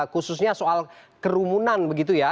khususnya soal kerumunan begitu ya